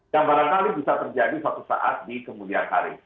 yang barangkali bisa terjadi suatu saat di kemudian hari